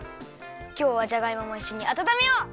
きょうはじゃがいももいっしょにあたためよう！